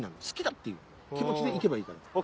好きだ！」っていう気持ちで行けばいいから。